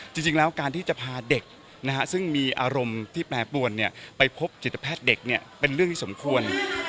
จริงแล้วการที่จะพาเด็กซึ่งมีอารมณ์ที่แปรปวนไปพบจิตแพทย์เด็กเป็นเรื่องที่สมควร